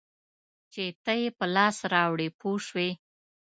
چې ته یې په لاس راوړې پوه شوې!.